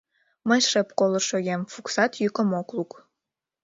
Мый шып колышт шогем, Фуксат йӱкым ок лук.